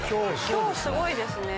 今日すごいですね。